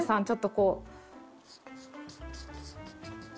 ちょっとこう。